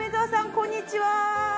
こんにちは。